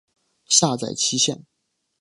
下载期限